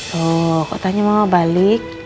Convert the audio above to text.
tuh kok tanya mau balik